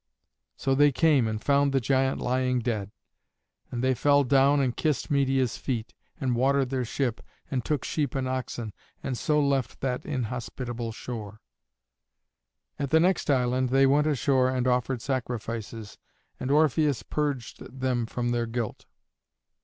So they came and found the giant lying dead, and they fell down and kissed Medeia's feet, and watered their ship, and took sheep and oxen, and so left that inhospitable shore. At the next island they went ashore and offered sacrifices, and Orpheus purged them from their guilt.